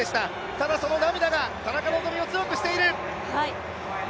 ただその涙が田中希実を強くしている。